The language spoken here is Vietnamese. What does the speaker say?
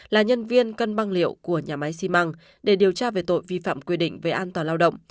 là nhân viên cân băng liệu của nhà máy xi măng để điều tra về tội vi phạm quy định về an toàn lao động